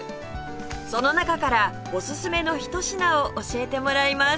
その中からおすすめの一品を教えてもらいます